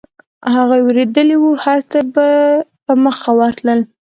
هغوی وېرېدلي و، هرڅه چې به په مخه ورتلل.